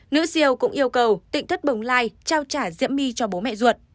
nữ siêu cũng yêu cầu tỉnh thất bồng lai trao trả diễm my cho bố mẹ ruột